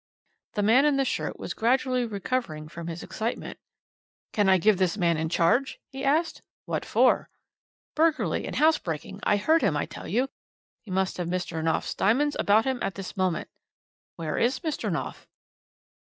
"The man in the shirt was gradually recovering from his excitement. "'Can I give this man in charge?' he asked. "'What for?' "'Burglary and housebreaking. I heard him, I tell you. He must have Mr. Knopf's diamonds about him at this moment.' "'Where is Mr. Knopf?'